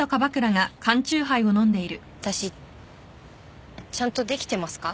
私ちゃんとできてますか？